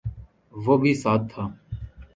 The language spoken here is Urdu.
وہ بھی ساتھ تھا